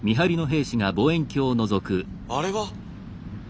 あれは。